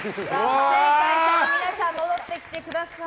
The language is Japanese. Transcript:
不正解者の皆さん戻ってきてください。